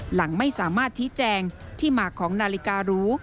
หลังไม่สามารถชี้แจงที่มาของนาฬิการู